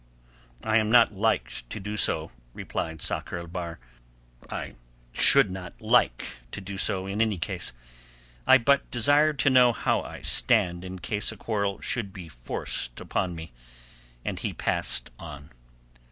"I am not like to do so," replied Sakr el Bahr. "I should not be like to do so in any case. I but desired to know how I stand in case a quarrel should be forced upon me." And he passed on.